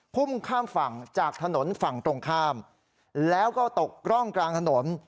พุ่งข้ามฝั่งจากถนนฝั่งตรงข้ามแล้วก็ตกร่องกลางถนน